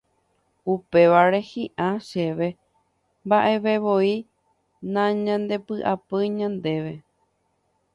Upévare hi'ã chéve mba'evevoi nañandepy'apýi ñandéve